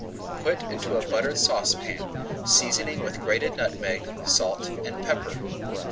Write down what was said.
Put into a buttered saucepan, seasoning with grated nutmeg, salt, and pepper.